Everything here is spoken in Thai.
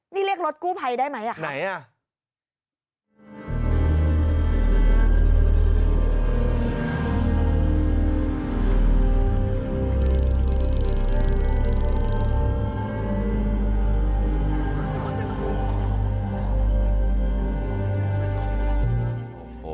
นี่เรียกรถกู้ภัยได้ไหม